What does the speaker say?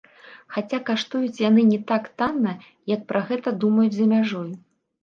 Хаця каштуюць яны не так танна, як пра гэта думаюць за мяжой.